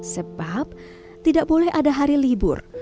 sebab tidak boleh ada hari libur